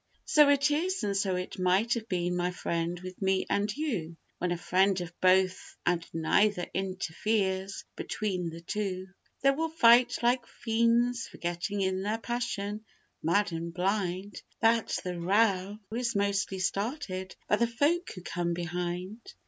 So it is, and so it might have been, my friend, with me and you When a friend of both and neither interferes between the two; They will fight like fiends, forgetting in their passion mad and blind, That the row is mostly started by the folk who come behind.